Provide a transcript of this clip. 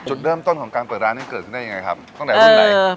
จุดเริ่มต้นของการเปิดร้านนี้เกิดขึ้นได้ยังไงครับตั้งแต่วันไหน